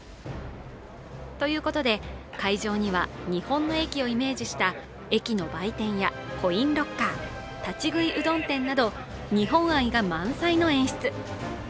ということで、会場には日本の駅をイメージした駅の売店やコインロッカー立ち食いうどん店など日本愛が満載の演出。